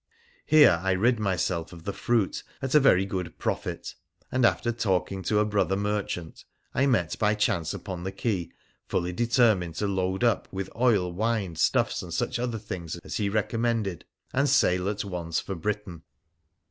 Here I rid myself of my fruit at a very good profit, and, after talking to a brother merchant I met by chance upon the quay, fully determined to load up with oil, wine, stuffs, and such other things as he recommended, and sail at once for Britain.